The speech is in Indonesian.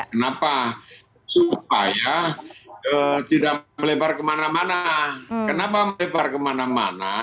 kenapa supaya tidak melebar kemana mana kenapa melebar kemana mana